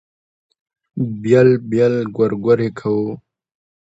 بېل بېل ګورګورې کوو.